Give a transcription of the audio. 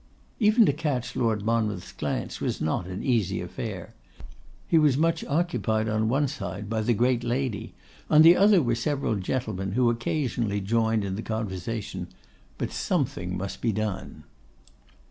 Even to catch Lord Monmouth's glance was not an easy affair; he was much occupied on one side by the great lady, on the other were several gentlemen who occasionally joined in the conversation. But something must be done.